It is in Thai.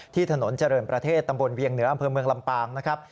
ถนนเจริญประเทศตำบลเวียงเหนืออำเภอเมืองลำปางนะครับ